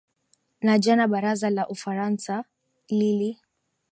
na jana baraza la ufaransa lili